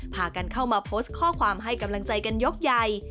พากันเข้ามาโพสต์ข้อความให้กำลังใจกันยกใหญ่